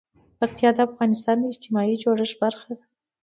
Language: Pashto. پکتیا د افغانستان د اجتماعي جوړښت برخه ده.